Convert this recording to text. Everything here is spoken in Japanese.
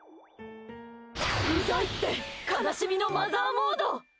うざいって悲しみのマザーモード！